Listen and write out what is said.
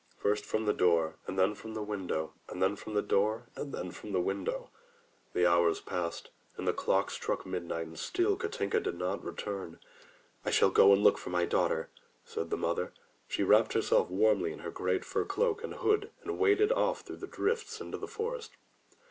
First from the door and then from the window, and then from the door and then from the window. The hours passed — ^the clock struck midnight and still Katinka did not return. "I shall go and look for my daughter," said the mother. So she wrapped herself warmly in her great fur cloak and hood and waded off through the drifts into the forest.